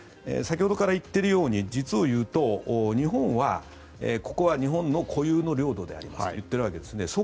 先ほどから言っているとおり実をいうと、日本はここは日本の固有の領土でありますと言っているわけですね。